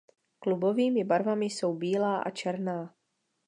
Klubovými barvami jsou bílá a černá.